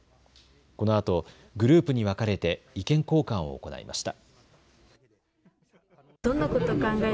このあとグループに分かれて意見交換を行いました。